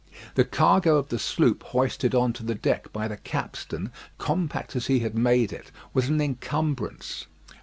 The cargo of the sloop hoisted on to the deck by the capstan, compact as he had made it, was an encumbrance.